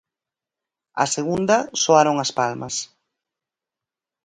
A segunda, soaron as palmas.